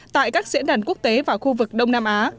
tại các diễn đàn quốc tế và khu vực đông nam á